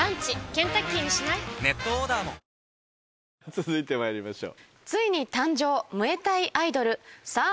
続いてまいりましょう。